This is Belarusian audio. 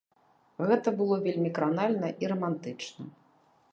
Гэта было вельмі кранальна і рамантычна.